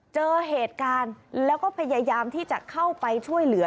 เจอเหตุการณ์แล้วก็พยายามที่จะเข้าไปช่วยเหลือ